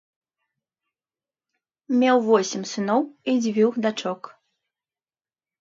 Меў восем сыноў і дзвюх дачок.